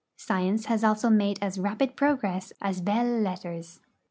Science has also made as rapid progress as belles letters.